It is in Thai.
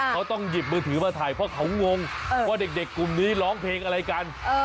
เขาต้องหยิบมือถือมาถ่ายเพราะเขางงว่าเด็กกลุ่มนี้ร้องเพลงอะไรกัน